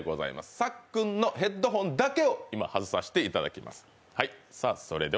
さっくんのヘッドホンだけを外させていただきます。